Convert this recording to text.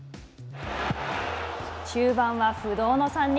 中盤は不動の３人。